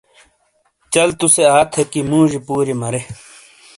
چل تُوسے آ تھے کہ موجیئے پوریئے مَرے ۔